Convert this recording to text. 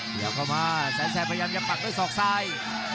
เดี๋ยวเข้ามาแสนแสบพยายามจะปักด้วยศอกซ้าย